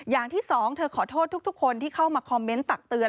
อย่างที่สองเธอขอโทษทุกคนที่เข้ามาคอมเมนต์ตักเตือน